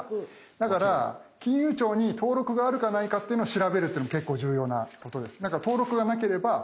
だから金融庁に登録があるかないかっていうのを調べるっていうの結構重要なことです。